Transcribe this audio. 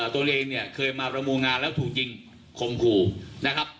ตัวเองเนี่ยเคยมาประมูลงานแล้วถูกยิงคมขู่นะครับ